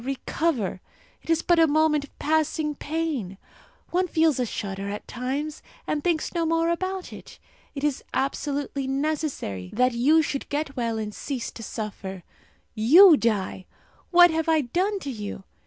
recover! It is but a moment of passing pain. One feels a shudder at times, and thinks no more about it. It is absolutely necessary that you should get well and cease to suffer. You die! What have I done to you?